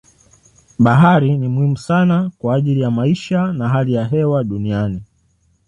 Bahari ni muhimu sana kwa ajili ya maisha na hali ya hewa duniani.